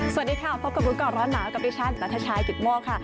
สวัสดีค่ะพบกับวิทยาละร้อนหนาวกับดิชันนัทชายกิตม่วงค่ะ